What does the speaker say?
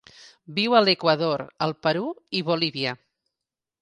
Viu a l'Equador, el Perú i Bolívia.